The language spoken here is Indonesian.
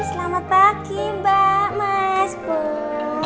selamat pagi mbak mas bu